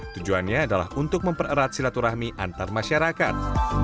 tujuannya adalah untuk mempererat silaturahmi antar masyarakat